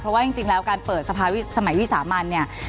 เพราะว่าจริงแล้วการเปิดสภาสมัยวิสามันเนี่ย